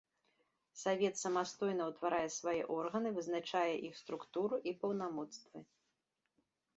Савет самастойна ўтварае свае органы, вызначае іх структуру і паўнамоцтвы.